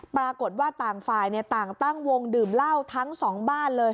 ปรากฏว่าต่างฝ่ายต่างตั้งวงดื่มเหล้าทั้งสองบ้านเลย